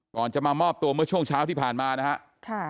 ก่อนจะมามอบตัวเมื่อช่วงเช้าที่ผ่านมานะครับ